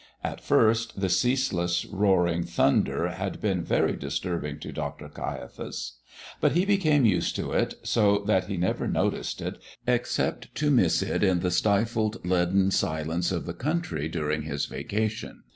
At first the ceaseless, roaring thunder had been very disturbing to Dr. Caiaphas, but he became used to it so that he never noticed it, except to miss it in the stifled, leaden silence of the country during his vacation.